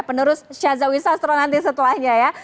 penerus syaza wisastro nanti setelahnya ya